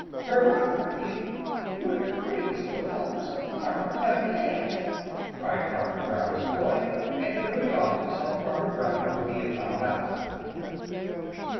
"Hurrah for you! You're the greatest little helpers a farmer ever had!" cried Farmer Brown's boy, and hurried off to tell Farmer Brown what he had found out.